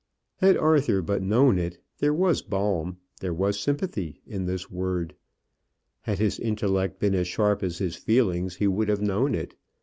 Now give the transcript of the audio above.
Had Arthur but known it, there was balm, there was sympathy in this word. Had his intellect been as sharp as his feelings, he would have known it.